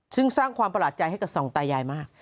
ซึ่งสร้างความประหลาดใจให้กับสองตายายมาก